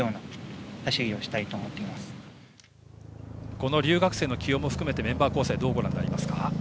この留学生の起用も含めてメンバー構成どうご覧になりますか？